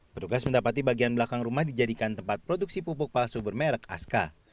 petugas mendapati bagian belakang rumah dijadikan tempat produksi pupuk palsu bermerek aska